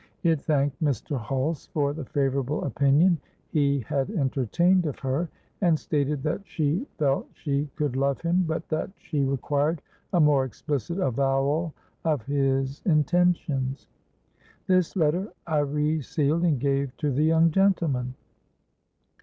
It thanked Mr. Hulse for the favourable opinion he had entertained of her, and stated that she felt she could love him, but that she required a more explicit avowal of his intentions. This letter I re sealed and gave to the young gentleman.